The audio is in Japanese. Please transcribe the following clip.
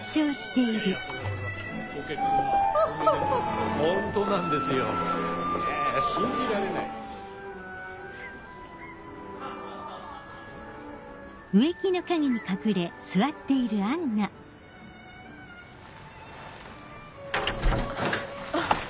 いや信じられないな。あっ。